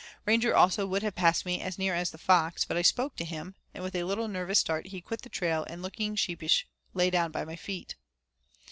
Ranger also would have passed me as near as the fox, but I spoke to him, and with a little nervous start he quit the trail and looking sheepish lay down by my feet.